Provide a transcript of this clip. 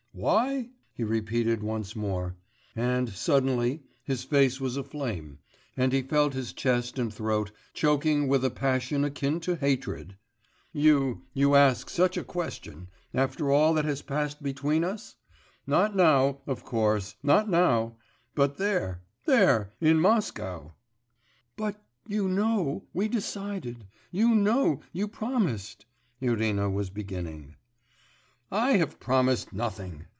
'Why?' he repeated once more, and suddenly his face was aflame, and he felt his chest and throat choking with a passion akin to hatred. 'You ... you ask such a question, after all that has passed between us? Not now, of course, not now; but there ... there ... in Moscow.' 'But, you know, we decided; you know, you promised ' Irina was beginning. 'I have promised nothing!